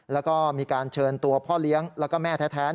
แล้วก็มีการเชิญตัวพ่อเลี้ยงแล้วก็แม่แท้